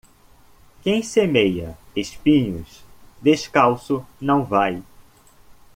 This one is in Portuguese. Quem semeia espinhos, descalço não vai.